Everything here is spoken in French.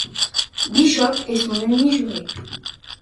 Bishop est son ennemi juré.